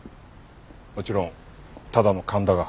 もちろんただの勘だが。